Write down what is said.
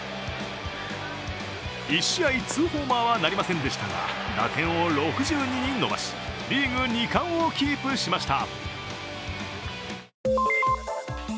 １試合２ホーマーはなりませんでしたが、打点を６２に伸ばし、リーグ２冠をキープしました。